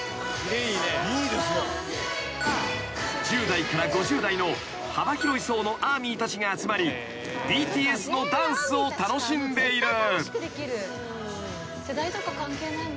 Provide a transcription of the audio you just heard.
［１０代から５０代の幅広い層のＡＲＭＹたちが集まりＢＴＳのダンスを楽しんでいる］